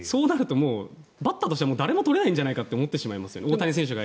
そうなるとバッターとしては誰も取れないんじゃないかと思いますよね。